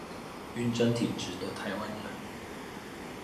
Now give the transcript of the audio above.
暈針體質的台灣人